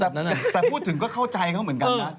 แต่พูดถึงก็เข้าใจเขาเหมือนกันนะ